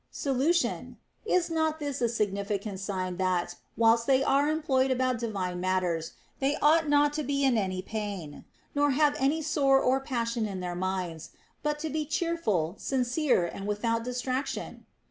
Solution. Is not this a significant sign that, whilst they are employed about divine matters, they ought not to be in any pain, nor have any sore or passion in their minds, but to be cheerful, sincere, and without distraction